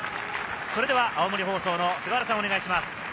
それでは青森放送の菅原さん、お願いします。